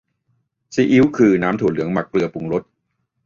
ซีอิ๊ว คือน้ำถั่วเหลืองหมักเกลือปรุงรส